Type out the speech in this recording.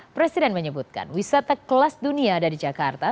presiden menyebutkan wisata kelas dunia ada di jakarta